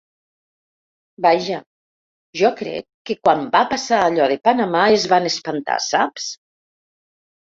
Vaja, jo crec que quan va passar allò de Panamà es van espantar, saps?